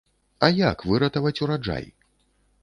А як выратаваць ураджай?